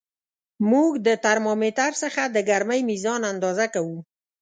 موږ د ترمامتر څخه د ګرمۍ میزان اندازه کوو.